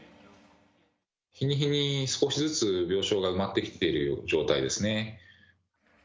日に日に少しずつ病床が埋まってきている状態ですね。